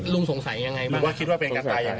ลุงสงสัยยังไงบ้าง